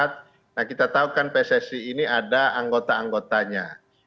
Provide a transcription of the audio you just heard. tapi kita tidak mengikuti anggota anggotanya